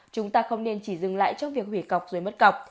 chúng ta không nên chỉ dừng lại trong việc hủy cọc rồi mất cọc